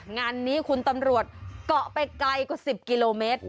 งานนี้คุณตำรวจเกาะไปไกลกว่า๑๐กิโลเมตร